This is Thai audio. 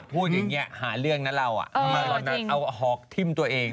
พูดอย่างนี้หาเรื่องนะเราเอาหอกทิ้มตัวเอง